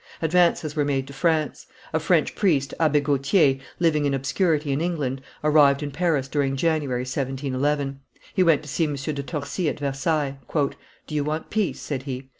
Advances were made to France. A French priest, Abbe Gautier, living in obscurity in England, arrived in Paris during January, 1711; he went to see M. de Torcy at Versailles. "Do you want peace?" said he.